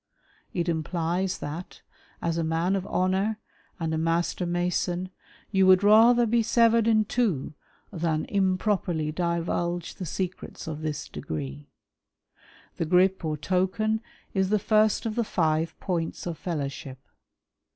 It implies that, as a man of honour, and a Master " Mason, you Avould rather be severed in two than improperly " divulge the secrets of this Degree. The grip or token is the "first of the five points of felloAvship.